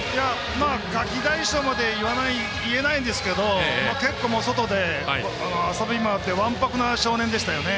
ガキ大将まで言えないですけど結構、外で遊びまわってわんぱくな少年でしたね。